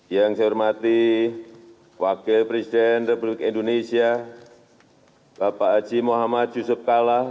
yang saya hormati wakil presiden republik indonesia bapak haji muhammad yusuf kalla